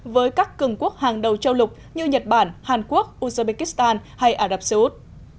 với các cường quốc hàng đầu châu lục như nhật bản hàn quốc uzbekistan hay ả rập xê út